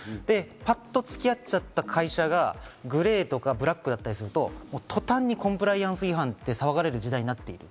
パッとつき合っちゃった会社がグレーとかブラックだったりすると、もう途端にコンプライアンス違反と騒がれる時代になっている。